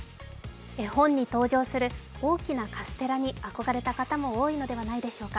絵本に登場する、おおきなかすてらに憧れた方も多いのではないでしょうか。